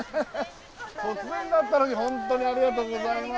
突然だったのに本当にありがとうございます。